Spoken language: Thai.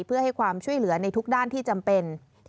เพื่อให้ความช่วยเหลือในทุกด้านที่จำเป็น